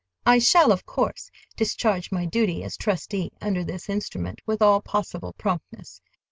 I shall, of course, discharge my duty as trustee under this instrument with all possible promptness.